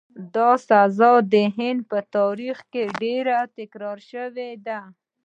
دا سزا د هند په تاریخ کې ډېره تکرار شوې ده.